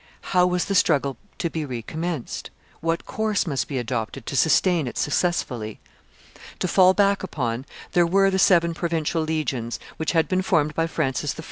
How was the struggle to be recommenced? What course must be adopted to sustain it successfully? To fall back upon, there were the seven provincial legions, which had been formed by Francis I.